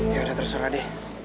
yaudah terserah deh